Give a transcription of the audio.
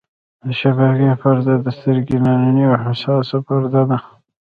د شبکیې پرده د سترګې نننۍ او حساسه پرده ده.